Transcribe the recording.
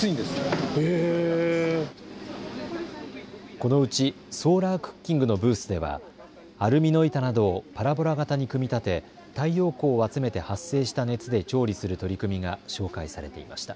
このうちソーラークッキングのブースではアルミの板などをパラボラ型に組み立て、太陽光を集めて発生した熱で調理する取り組みが紹介されていました。